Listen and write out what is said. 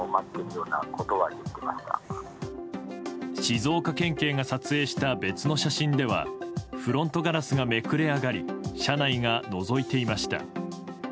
静岡県警が撮影した別の写真ではフロントガラスがめくれ上がり車内がのぞいていました。